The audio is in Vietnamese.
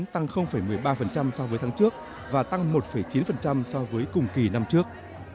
tăng một mươi ba so với tháng trước và tăng một chín so với cùng kỳ năm trước